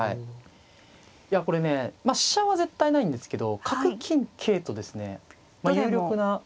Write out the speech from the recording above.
いやこれねまあ飛車は絶対ないんですけど角金桂とですね有力な。